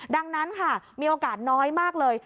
ดังนั้นค่ะมีโอกาสน้อยมากเลย